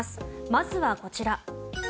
まずはこちら。